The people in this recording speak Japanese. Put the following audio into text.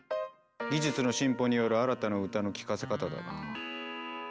技術の進歩による新たな歌の聞かせ方だな。